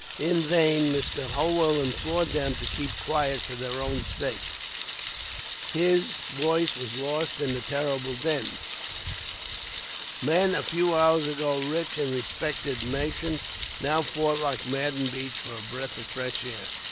In vain, Mr. Holwell implored them to keep quiet, for their own sakes. His voice was lost in the terrible din. Men, a few hours ago rich and respected merchants, now fought like maddened beasts for a breath of fresh air.